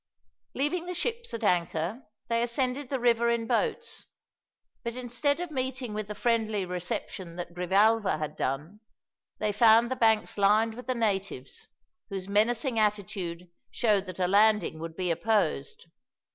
Leaving the ships at anchor they ascended the river in boats; but instead of meeting with the friendly reception that Grijalva had done, they found the banks lined with the natives, whose menacing attitude showed that a landing would be opposed.